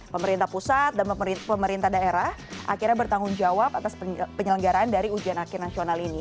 pemerintah pusat dan pemerintah daerah akhirnya bertanggung jawab atas penyelenggaraan dari ujian akhir nasional ini